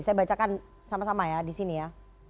saya bacakan sama sama ya di sini ya